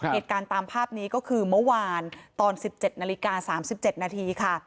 เหตุการณ์ตามภาพนี้ก็คือเมื่อวานตอน๑๗น๓๗นาทีค่ะ